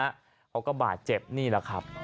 เขาก็บาดเจ็บนี่แหละครับ